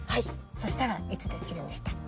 そしたらいつできるんでしたっけ？